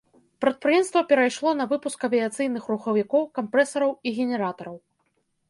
Прадпрыемства перайшло на выпуск авіяцыйных рухавікоў, кампрэсараў і генератараў.